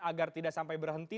agar tidak sampai berhenti